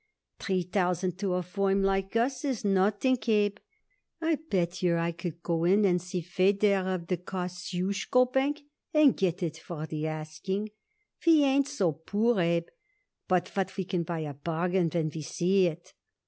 "Three thousand to a firm like us is nothing, Abe. I bet yer I could go in and see Feder of the Kosciusko Bank and get it for the asking. We ain't so poor, Abe, but what we can buy a bargain when we see it."